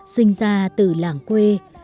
sinh ra từ làng quê